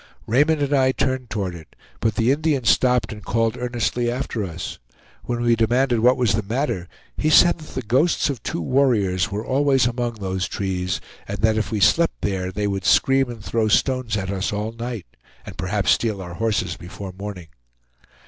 Raymond and I turned toward it, but the Indian stopped and called earnestly after us. When we demanded what was the matter, he said that the ghosts of two warriors were always among those trees, and that if we slept there, they would scream and throw stones at us all night, and perhaps steal our horses before morning.